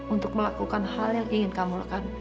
untuk melakukan hal yang ingin kamu lakukan